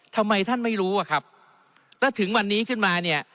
ทำไมท่านไม่รู้อะครับแล้วถึงวันนี้ขึ้นมาเนี่ย